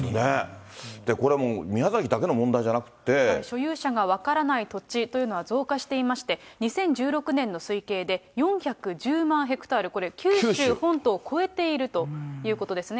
これもう、所有者が分からない土地というのは、増加していまして、２０１６年の推計で４１０万ヘクタール、これ、九州本島を超えているということですね。